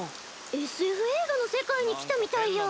ＳＦ映画の世界に来たみたいや。